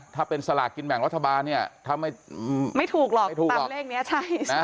ถ้าเป็นสลากกินแบ่งรัฐบาลเนี่ยถ้าไม่ถูกหรอกตามเลขนี้ใช่นะ